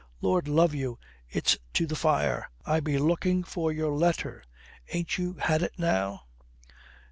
"Lord love you, it's to the fire. I be looking for your letter. Ain't you had it now?